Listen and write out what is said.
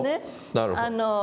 なるほど。